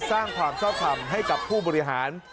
สร้างความชอบทำให้กับผู้บริหาร